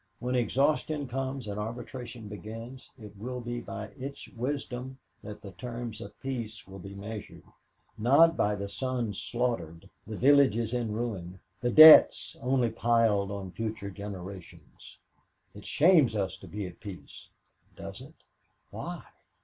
When exhaustion comes and arbitration begins it will be by its wisdom that the terms of peace will be measured, not by the sons slaughtered, the villages in ruins, the debts only piled on future generations. "'It shames us to be at peace.' Does it? Why?